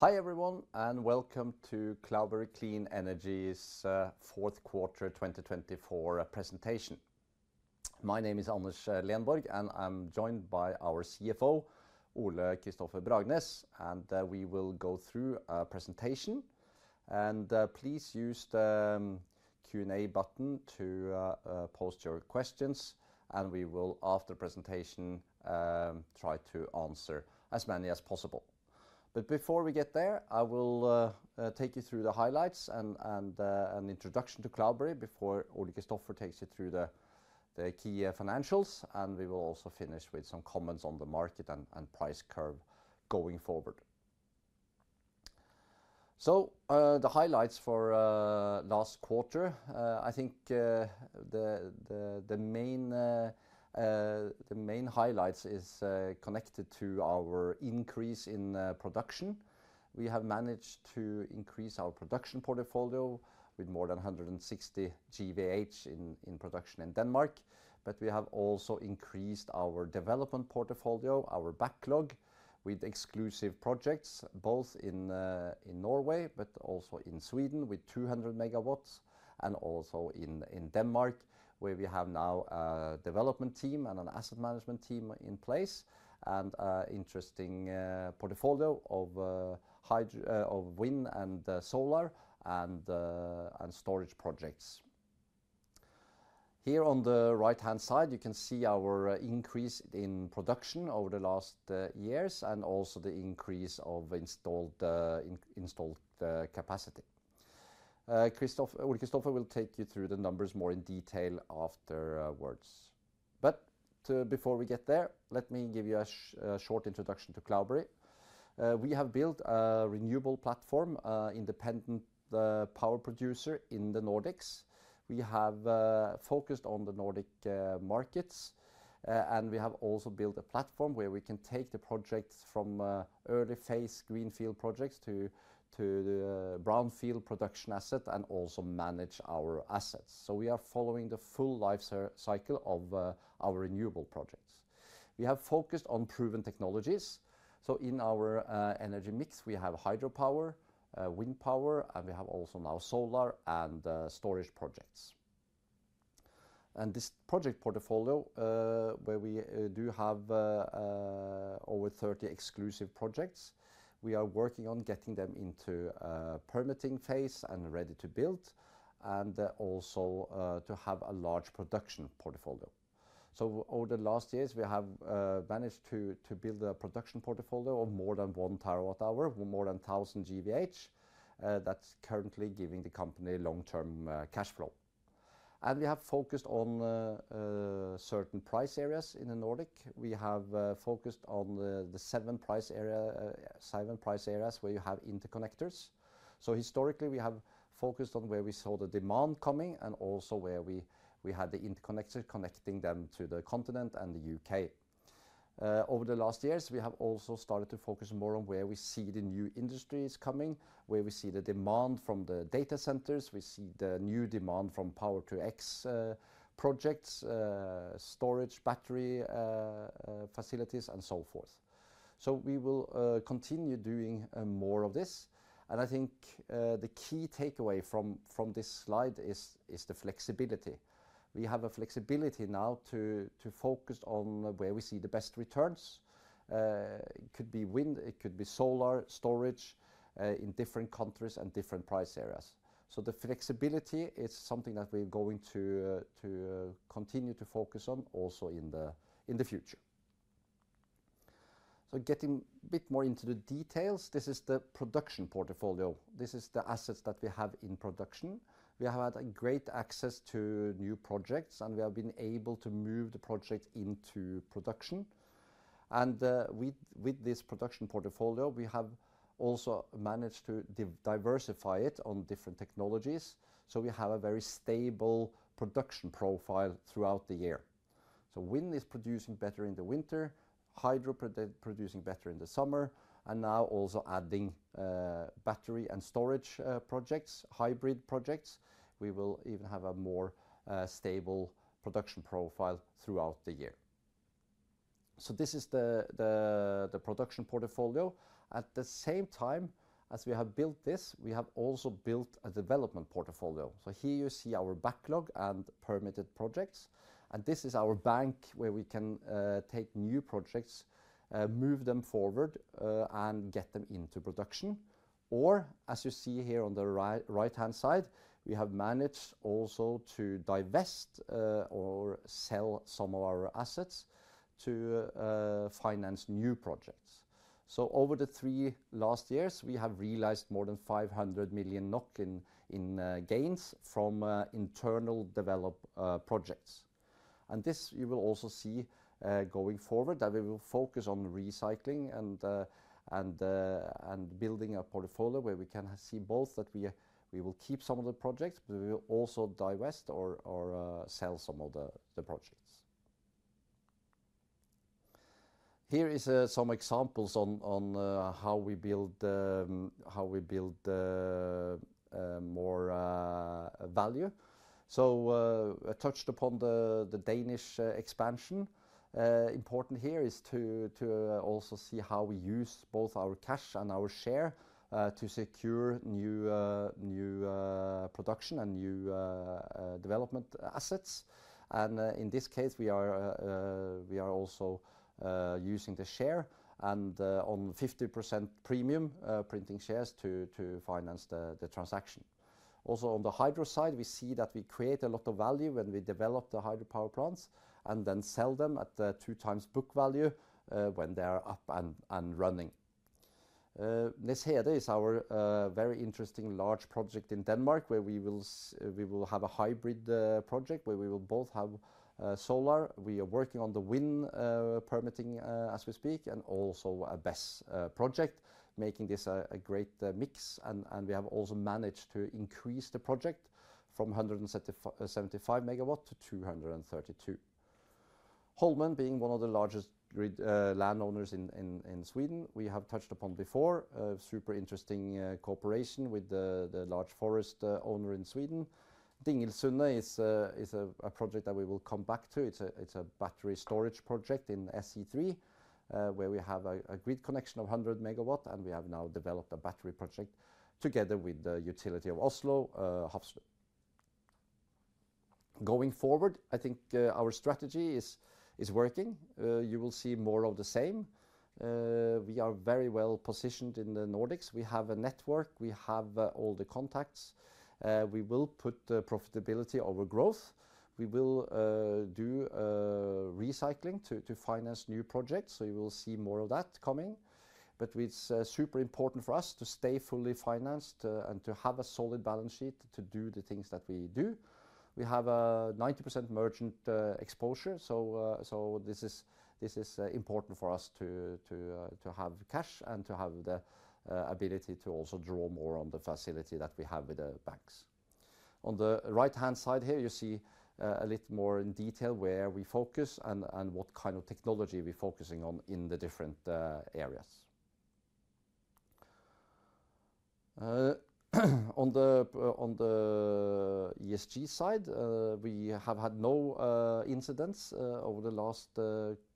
Hi everyone and welcome to Cloudberry Clean Energy's fourth quarter 2024 presentation. My name is Anders Lenborg and I'm joined by our CFO Ole-Kristofer Bragnes and we will go through a presentation and please use the Q&A button to post your questions and we will after presentation try to answer as many as possible. But before we get there I will take you through the highlights and an introduction to Cloudberry before Ole-Kristofer takes you through the key financials and we will also finish with some comments on the market and price curve going forward. The highlights for last quarter, I think. The main. The main highlights is connected to our increase in production. We have managed to increase our production portfolio with more than 160 GWh in production in Denmark, but we have also increased our development portfolio, our backlog with exclusive projects both in Norway but also in Sweden with 200 MW and also in Denmark where we have now a development team and an asset management team in place. Interesting portfolio of. Wind and solar and storage projects. Here on the right-hand side you can see our increase in production over the last years and also the increase of installed capacity. Ole-Kristofer will take you through the numbers more in detail afterwards. But before we get there, let me give you a short introduction to Cloudberry. We have built a renewable platform independent power producer in the Nordics. We have focused on the Nordic markets and we have also built a platform where we can take the project from early phase greenfield projects to the brownfield production asset and also manage our assets. So we are following the full life cycle of our renewable projects. We have focused on proven technologies. So in our energy mix we have hydropower, wind power and we have also now solar and storage projects. And this project portfolio where we do have over 30 exclusive projects, we are working on getting them into permitting phase and ready to build and also to have a large production portfolio. Over the last years we have managed to build a production portfolio of more than one TWh or more than 1000 GWh. That's currently giving the company long-term cash flow, and we have focused on certain price areas. In the Nordics we have focused on the seven price areas where you have interconnectors. Historically we have focused on where we saw the demand coming and also where we had the interconnectors connecting them to the continent and the UK. Over the last years we have also started to focus more on where we see the new industries coming, where we see the demand from the data centers. We see the new demand from Power-to-X projects, storage, battery facilities and so forth. We will continue doing more of this. I think the key takeaway from this slide is the flexibility. We have a flexibility now to focus on where we see the best returns. It could be wind, it could be solar storage in different countries and different price areas. So the flexibility is something that we're going to continue to focus on also in the future. Getting a bit more into the details, this is the production portfolio. This is the assets that we have in production. We have had great access to new projects and we have been able to move the project into production. With this production portfolio we have also managed to diversify it on different technologies. We have a very stable production profile throughout the year. Wind is producing better in the winter, hydro producing better in the summer, and now also adding battery and storage projects, hybrid projects. We will even have a more stable production profile throughout the year. This is the production portfolio. At the same time as we have built this, we have also built a development portfolio. Here you see our backlog and permitted projects. This is our bank where we can take new projects, move them forward and get them into production. Or as you see here on the right-hand side, we have managed also to divest or sell some of our assets to finance new projects. Over the three last years we have realized more than 500 million NOK in gains from internally developed projects. This you will also see going forward that we will focus on recycling. Building a portfolio where we can see both that we will keep some of the projects, but we will also divest or sell some of the projects. Here is some examples on. How we build. More value. I touched upon the Danish expansion. Important here is to also see how we use both our cash and our share to secure new production and new development assets. In this case we are also using the share on 50% premium printing shares to finance the transaction. On the hydro side, we see that we create a lot of value when we develop the hydropower plants and then sell them at two times book value when they are up and running. Nees Hede is our very interesting large project in Denmark where we will have a hybrid project where we will both have solar. We are working on the wind permitting as we speak and also a BESS project, making this a great mix. We have also managed to increase the project from 175 MW to 232 MW. Holmen being one of the largest landowners in Sweden, we have touched upon before a super interesting cooperation with the large forest owner in Sweden. Dingle is a project that we will come back to. It's a battery storage project in SE3 where we have a grid connection of 100 MW and we have now developed a battery project together with Hafslund. Going forward, I think our strategy is working. You will see more of the same. We are very well positioned in the Nordics. We have a network, we have all the contacts. We will put profitability over growth. We will do recycling to finance new projects. So you will see more of that coming. But it's super important for us to stay fully financed and to have a solid balance sheet to do the things that we do. We have a 90% merchant exposure, so this is important for us to have cash and to have the ability to also draw more on the facility that we have with the banks. On the right-hand side here you see a little more in detail where we focus and what kind of technology we're focusing on in the different areas. On the ESG side, we have had no incidents over the last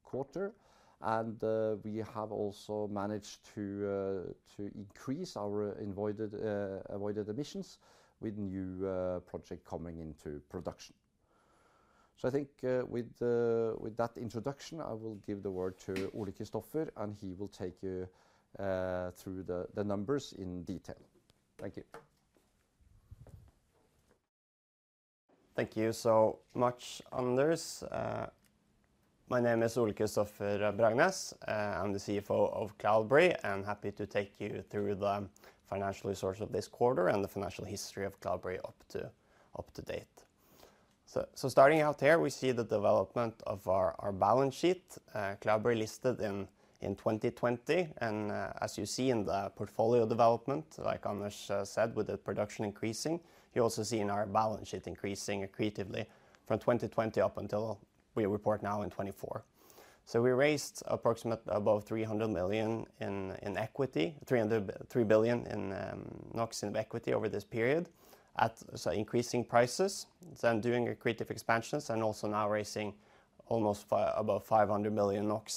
quarter and we have also managed to increase our avoided emissions with new project coming into production. So I think with that introduction, I will give the word to Ole-Kristofer and he will take you through the numbers in detail. Thank you. Thank you so much, Anders. My name is Ole-Kristofer Bragnes. I'm the CFO of Cloudberry and happy to take you through the financial results of this quarter and the financial history of Cloudberry up to date. Starting out here, we see the development of our balance sheet. Cloudberry relisted in 2020 and as you see in the portfolio development, like Anders said, with the production increasing, you also see in our balance sheet increasing accretively from 2020 up until we report now in 2024. We raised approximately above 300 million in equity, 303 million NOK in equity over this period at increasing prices, then doing accretive expansions and also now raising almost above 500 million NOK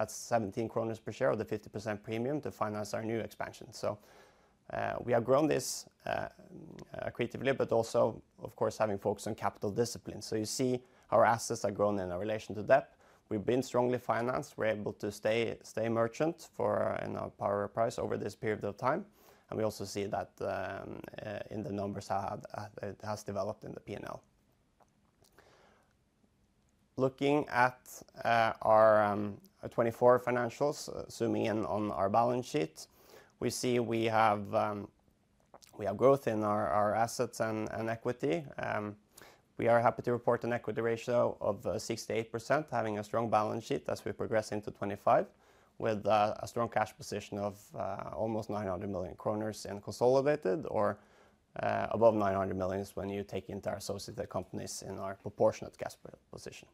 at 17 kroner per share or the 50% premium to finance our new expansion. We have grown this accretively but also of course having focused on capital discipline. You see our assets are grown in relation to debt. We've been strongly financed, we're able to stay merchant for power price over this period of time. We also see that in the numbers it has developed in the P&L. Looking at our 2024 financials, zooming in on our balance sheet, we see. We have growth in our assets and equity. We are happy to report an equity ratio of 6%-8% having a strong balance sheet as we progress into 2025 with a strong cash position of almost 900 million kroner and consolidated or above $900 million. When you take into our associated companies in our proportionate cash position,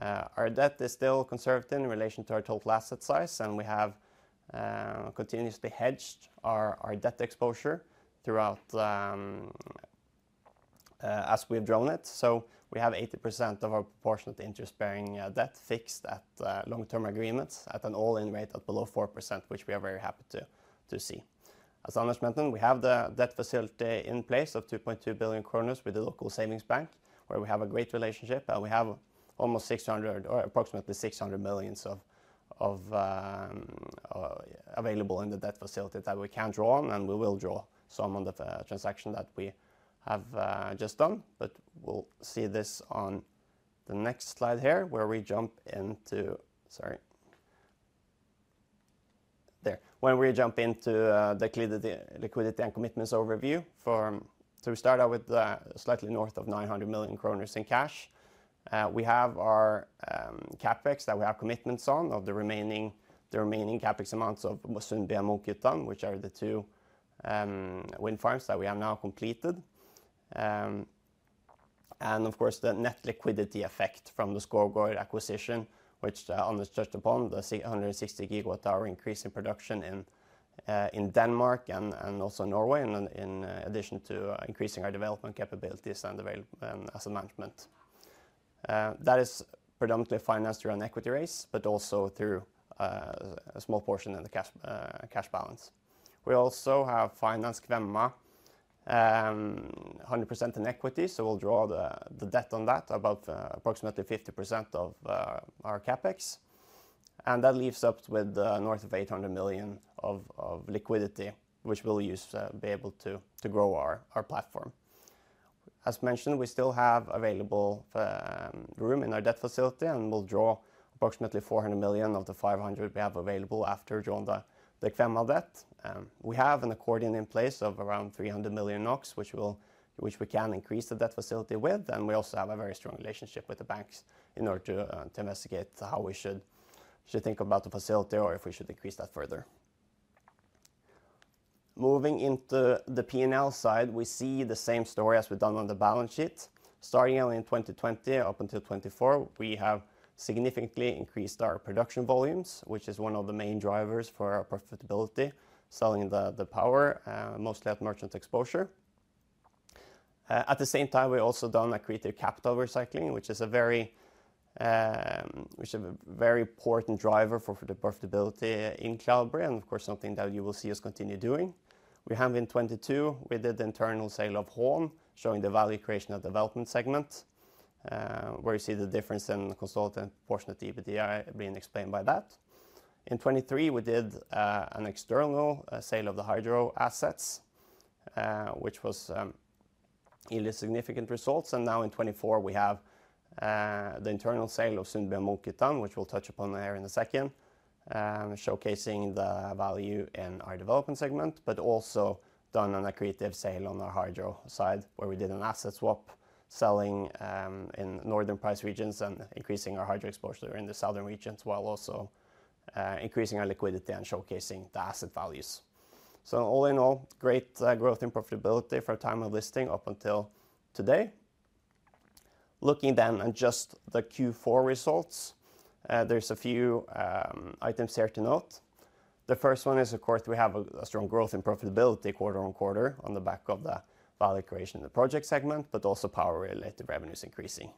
our debt is still conserved in relation to our total asset size. We have continuously hedged our debt exposure throughout. As we have drawn it. So we have 80% of our proportionate interest bearing debt fixed at long term agreements at an all in rate at below 4%, which we are very happy to see. As Anders mentioned, we have the debt facility in place of 2.2 billion kroner with the local savings bank where we have a great relationship. We have almost 600 or approximately 600 million of. Available in the debt facility that we can't draw on. And we will draw some on the transaction that we have just done. But we'll see this on the next slide here where we jump into. Sorry. Then when we jump into the liquidity and commitments overview. So we start out with slightly north of 900 million kroner in cash. We have our CapEx that we have commitments on of the remaining CapEx amounts of Sundby and Munkhyttan, which are the two wind farms that we have now completed. Of course, the net liquidity effect from the Skovgaard acquisition, which Anders touched upon. The 160 GWh increase in production in Denmark and also Norway. In addition to increasing our development capabilities and asset management, that is predominantly financed through an equity raise, but also through a small portion of the cash balance. We also have finance Kvemma. 100% in equity, so we'll draw the debt on that about approximately 50% of our CapEx, and that leaves us with north of 800 million of liquidity which we'll use to be able to grow our platform. As mentioned, we still have available room in our debt facility and will draw approximately 400 million of the 500 we have available after drawing the facility debt. We have an accordion in place of around 300 million NOK which we can increase the debt facility with, and we also have a very strong relationship with the banks in order to investigate how we should think about the facility or if we should decrease that further. Moving into the P&L side, we see the same story as we've done on the balance sheet. Starting in 2020 up until 2024, we have significantly increased our production volumes, which is one of the main drivers for our profitability. Selling the power mostly at merchant exposure. At the same time, we also done accretive capital recycling, which is a very. Important driver for the profitability in Cloudberry and of course something that you will see us continue doing. We have in 2022 we did the internal sale of Hån showing the value creation of development segment where you see the difference in consolidated proportionate EBITDA being explained by that in 2023 we did an external sale of the hydro assets which was significant results and now in 2024 we have the internal sale of Sundby Munkhyttan which we'll touch upon here in a second showcasing the value in our development segment but also done on a creative sale on our hydro side where we did an asset swap selling in northern price regions and increasing our hydro exposure in the southern regions while also increasing our liquidity and showcasing the asset values. So all in all great growth in profitability from time of listing up until today. Looking then at just the Q4 results, there's a few items here to note. The first one is of course we have a strong growth in profitability quarter on quarter on the back of the value creation in the project segment but also power related revenues increasing.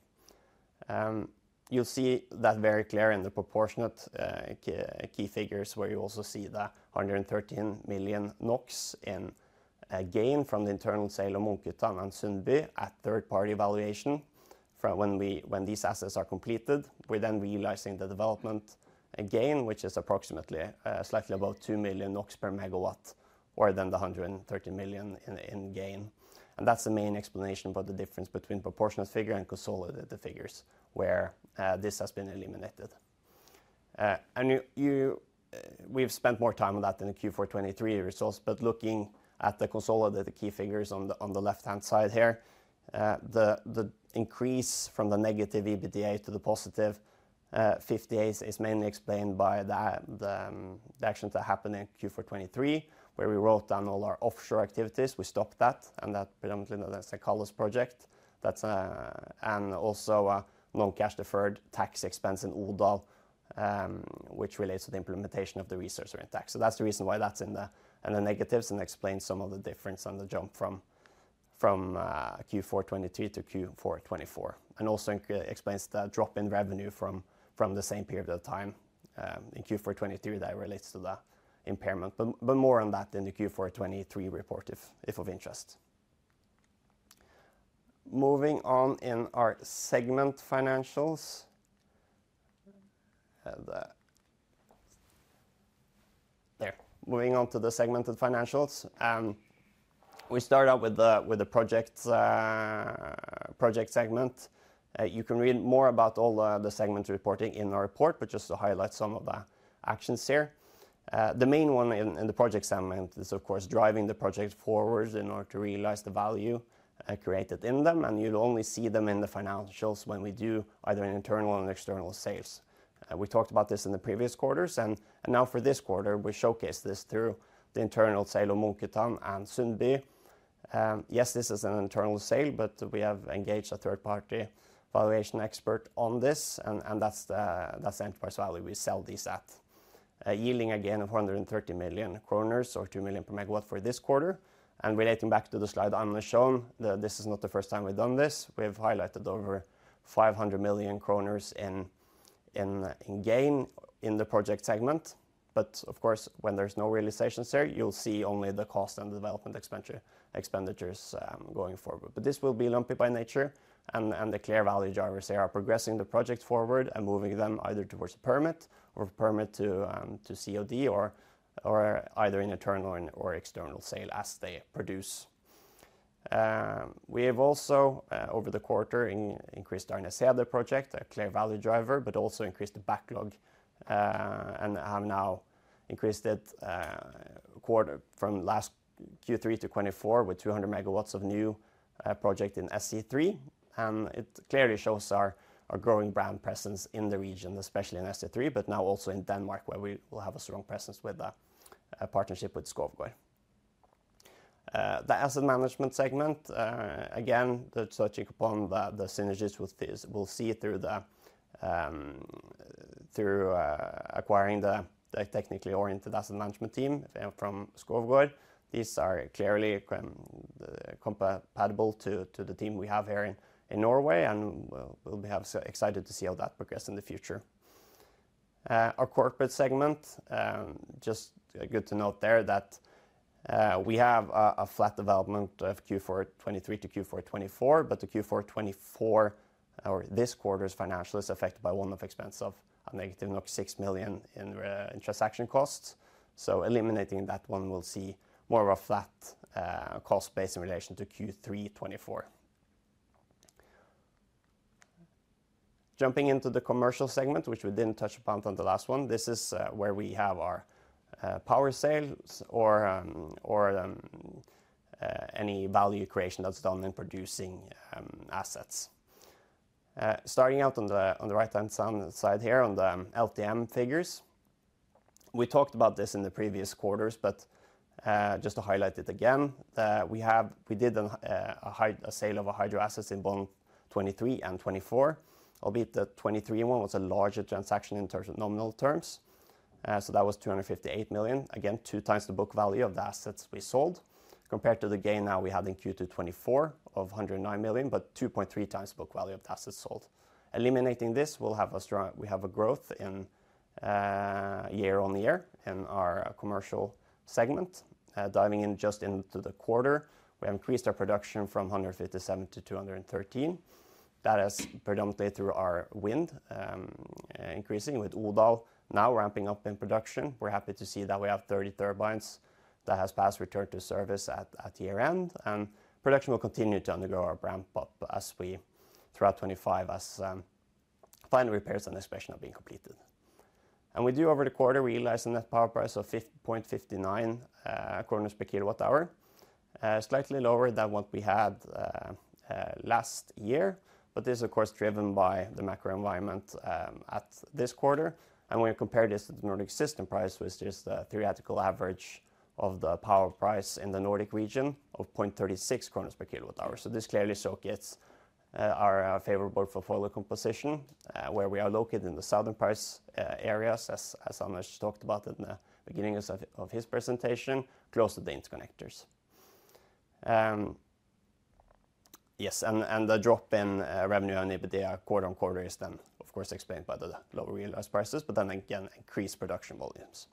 You'll see that very clear in the proportionate key figures where you also see the 113 million NOK in gain from the internal sale of Munkhyttan and Sundby at third party valuation. When these assets are completed we're then realizing the development again which is approximately slightly about 2 million NOK per megawatt or then the 130 million in gain and that's the main explanation about the difference between proportionate figure and consolidated figures where this has been eliminated and we've spent more time on that in the Q4 2023 results. But looking at the consolidated key figures on the left-hand side here, the increase from the negative EBITDA to the positive 58 is mainly explained by the actions that happened in Q4 2023 where we wrote down all our offshore activities, we stopped that and that predominantly that's a Stenkalles project and also non-cash deferred tax expense and Odal which relates to the recognition of impairment. So that's the reason why that's in the negatives and explains some of the difference on the jump from Q4 2023 to Q4 2024 and also explains the drop in revenue from the same period of time in Q4 2023 that relates to the impairment but more on that in the Q4 2023 report if of interest. Moving on in our segment financials. We're moving on to the segmented financials. We start out with the. Project segment. You can read more about all the segments reporting in our report, but just to highlight some of the actions here, the main one in the project segment is of course driving the project forward in order to realize the value created in them. And you'll only see them in the financials when we do either an internal and external sales. We talked about this in the previous quarters and now for this quarter we showcase this through the internal sale of Munkhyttan and Sundby. Yes, this is an internal sale but we have engaged a third party valuation expert on this and that's the enterprise value. We sell these at yielding a gain of 130 million kroner or 2 million NOK per megawatt for this quarter. And relating back to the slide I just showed, this is not the first time we've done this. We have highlighted over 500 million kroner in gain in the project segment. But of course when there's no realizations there you'll see only the cost and development expenditures going forward. But this will be lumpy by nature and the clear value drivers here are progressing the project forward and moving them either towards the priority permit or permit to COD or either in internal or external sale as they produce. We have also over the quarter increased our Nees Hede project, a clear value driver, but also increased the backlog and have now increased it. From last Q3 to 2024 with 200 MW of new project in SE3 and it clearly shows our growing brand presence in the region, especially in SE3 but now also in Denmark where we will have a strong presence with a partnership with Skovgaard. The asset management segment. Again touching upon the synergies we'll see. Through acquiring the technically oriented asset management team from Skovgaard. These are clearly compatible to the team we have here in Norway and we'll be excited to see how that progress in the future. Our corporate segment. Just good to note there that we have a flat development of Q4 2023 to Q4 2024. But the Q4 2024 or this quarter's financial is affected by one-off expense of negative 6 million in transaction costs. So eliminating that one will see more of a flat cost base in relation to Q3 2024. Jumping into the commercial segment which we didn't touch upon on the last one. This is where we have our power sales or. Any value creation that's done in producing assets. Starting out on the right-hand side here on the LTM figures, we talked about this in the previous quarters, but just to highlight it again, we did a sale of a hydro assets in 2023 and 2024, albeit the 2023 was a larger transaction in terms of nominal terms. That was 258 million, again two times the book value of the assets we sold, compared to the gain now we had in Q2 2024 of 109 million, but 2.3 times book value of the assets sold. Eliminating this will have a strong we have a growth. Year-on-year in our commercial segment, diving just into the quarter, we have increased our production from 157 to 213. That is predominantly through our wind increasing. With Odal now ramping up in production, we're happy to see that we have 30 turbines that has passed return to service at year-end and production will continue to undergo a ramp up as we throughout 2025 as final repairs and inspection have been completed. We do over the quarter realize a net power price of 0.59 per kilowatt hour, slightly lower than what we had last year. This is of course driven by the macro environment at this quarter and when you compare this to the Nordic system price, which is the theoretical average of the power price in the Nordic region of 0.36 per kilowatt hour. So this clearly showcases our favorable portfolio composition where we are located in the southern price areas as Anders talked about in the beginning of his presentation close to the interconnectors. Yes, and the drop in revenue and EBITDA quarter on quarter is then of course explained by the lower realized prices but then again increased production volumes.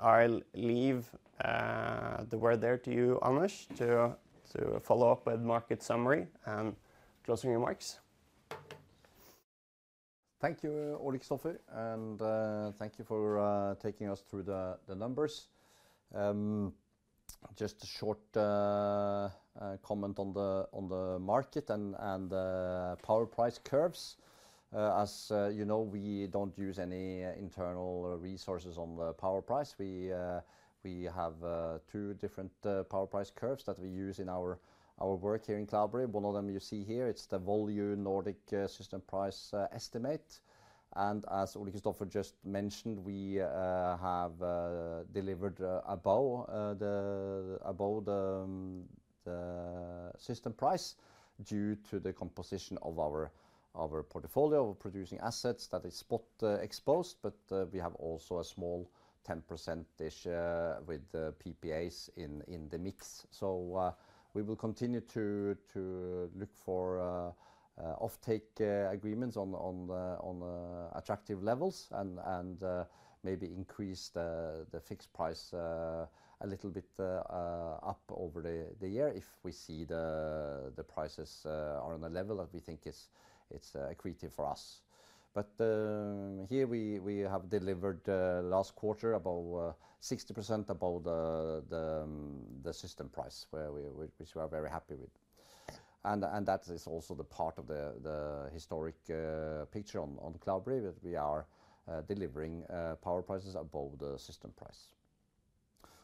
I'll leave the floor to you, Anders, to follow up with market summary and closing remarks. Thank you, Ole-Kristofer Bragnes, and thank you for taking us through the numbers. Just a short comment on the market and power price curves. As you know we don't use any internal resources on the power price. We have two different power price curves that we use in our work here in Cloudberry. One of them you see here; it's the Volue Nordic system price estimate and as Ole-Kristofer just mentioned, we have delivered. Above the. System price due to the composition of our portfolio of producing assets. That is spot exposed, but we have also a small 10% with PPAs in the mix. So we will continue to look for offtake agreements on attractive levels and maybe increase the fixed price a little bit up over the year if we see the prices are on a level that we think it's accretive for us. But here we have delivered last quarter about 60% above the system price, which we are very happy with. And that is also the part of the historic picture on Cloudberry. We are delivering power prices above the system price.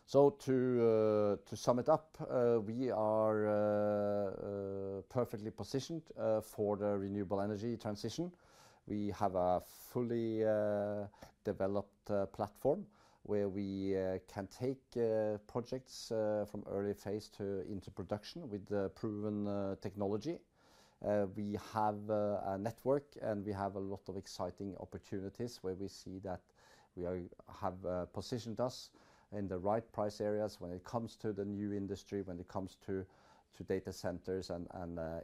So to sum it up, we are. Perfectly positioned for the renewable energy transition. We have a fully developed platform where we can take projects from early phase into production with proven technology. We have a network and we have a lot of exciting opportunities where we see that we have positioned us in the right price areas when it comes to the new industry, when it comes to data centers and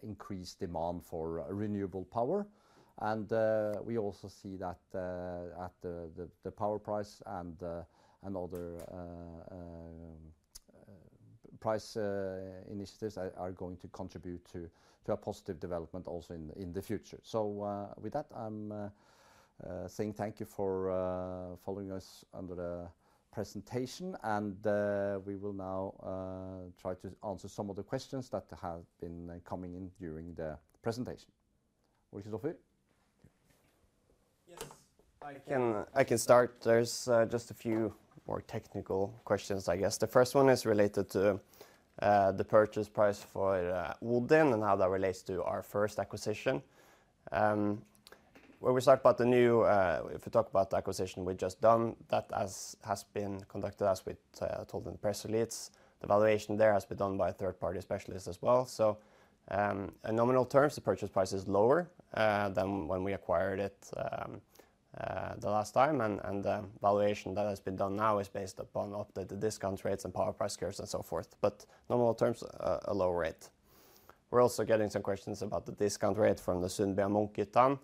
increased demand for renewable power, and we also see that the power price and other. Price initiatives are going to contribute to a positive development also in the future. With that, I'm saying thank you for following us through the presentation, and we will now try to answer some of the questions that have been coming in during the presentation. I can start. There's just a few more technical questions. I guess the first one is related to the purchase price for Odin and how that relates to our first acquisition. When we talk about the acquisition we've just done that has been conducted as we told in the press release, the valuation there has been done by a third party specialist as well, so in nominal terms the purchase price is lower than when we acquired it the last time and the valuation that has been done now is based upon updated discount rates and power price curves and so forth, but in nominal terms a lower rate. We're also getting some questions about the discount rate from the Sundby Munkhyttan.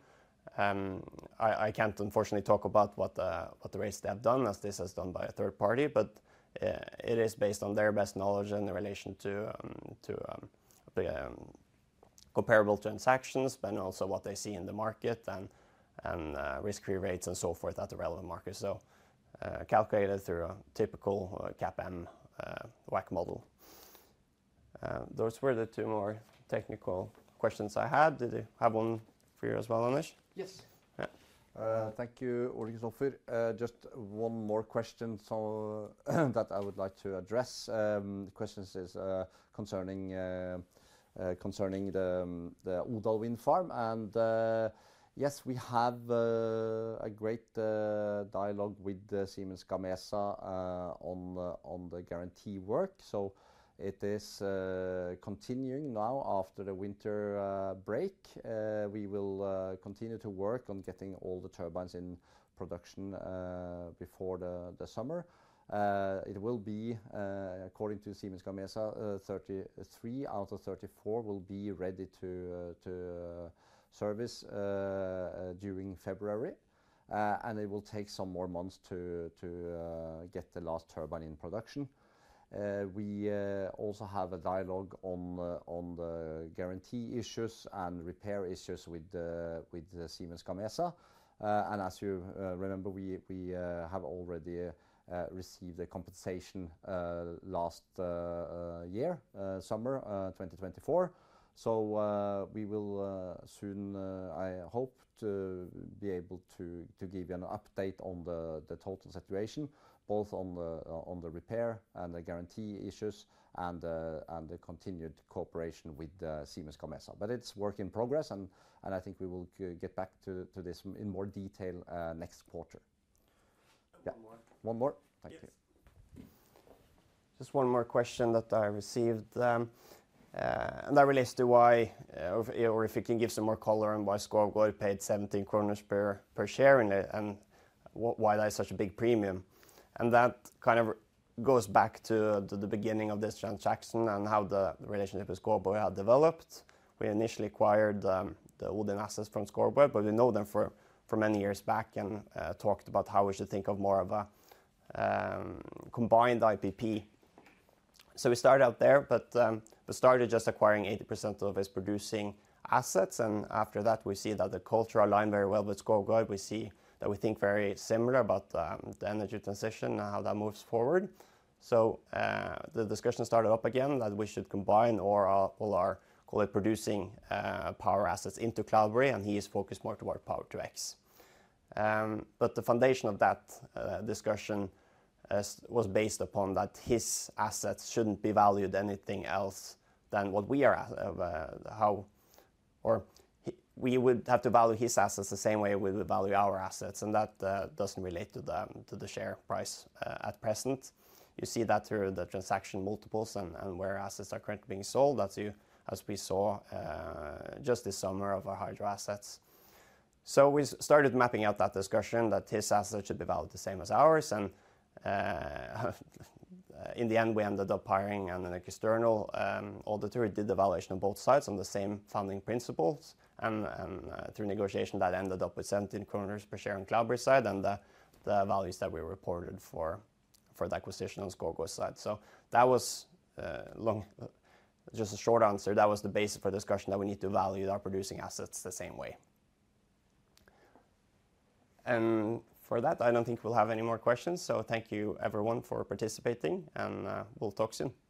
I can't unfortunately talk about what the rates they have done as this is done by a third party, but it is based on their best knowledge in relation to. Comparable transactions and also what they see in the market and risk-free rates and so forth at the relevant market, so calculated through a typical CAPM WACC model. Those were the two more technical questions I had. Did you have one for you as well, Anders? Yes, thank you Severin. Just one more question that I would like to address. The question is concerning the Odal Vind wind farm and yes, we have a great dialogue with Siemens Gamesa on the guarantee work. So it is continuing now after the winter break. We will continue to work on getting all the turbines in production before the summer. It will be according to Siemens Gamesa, 33 out of 34 will be ready to service during February and it will take some more months to get the last turbine in production. We also have a dialogue on the guarantee issues and repair issues with Siemens Gamesa. And as you remember, we have already received a compensation last year, summer 2024. So we will soon. I hope to be able to give you an update on the total situation, both on the repair and the guarantee issues and the continued cooperation with Siemens Gamesa, but it's work in progress and I think we will get back to this in more detail next quarter. One more. Thank you. Just one more question that I received. And that relates to why, or if you can give some more color on why Skovgaard paid 17 kroner per share and why that is such a big premium. And that kind of goes back to the beginning of this transaction and how the relationship with Skovgaard had developed. We initially acquired the wind assets from Skovgaard, but we know them for many years back and talked about how we should think of more of a combined IPP. So we started out there, but started just acquiring 80% of its producing assets. And after that we see that the culture aligned very well with Skovgaard. We see that we think very similar about the energy transition, how that moves forward. So the discussion started up again that we should combine or all our call it producing power assets into Cloudberry and he is focused more toward Power-to-X. The foundation of that discussion was based upon that his assets shouldn't be valued anything else than what we are now or we would have to value his assets the same way we would value our assets. That doesn't relate to the share price at present. You see that through the transaction multiples and where assets are currently being sold, as we saw just this summer of our hydro assets. We started mapping out that discussion that his assets should be valued the same as ours. In the end we ended up hiring an external auditor who did the valuation on both sides on the same funding principles and through negotiation that ended up with 17 kroner per share on Cloudberry side and the values that we reported for the acquisition on Skovgaard side. So that was. Just a short answer. That was the basis for discussion that we need to value our producing assets the same way. For that I don't think we'll have any more questions. Thank you everyone for participating and we'll talk soon.